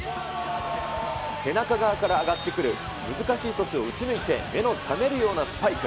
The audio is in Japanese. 背中側から上がってくる難しいトスを打ち抜いて、目の覚めるようなスパイク。